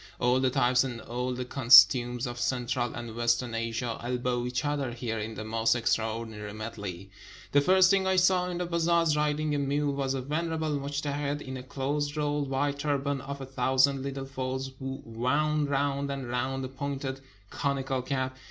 All the types and all the cos tumes of central and western Asia elbow each other here in the most extraordinary medley. The first thing I saw in the bazaars, riding a mule, was a venerable mujtehid, in a close rolled white turban of a thousand Httle folds, wound round and round a pointed conical cap.